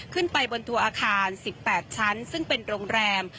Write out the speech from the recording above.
ขึ้นไปบนตัวอาคาร๑๘ชั้นซึ่งเป็นโรงแรม